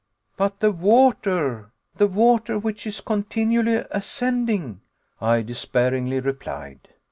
"But the water, the water, which is continually ascending?" I despairingly replied.